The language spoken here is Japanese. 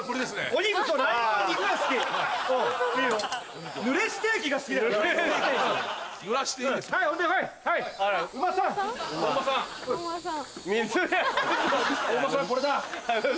お馬さんはこれだ。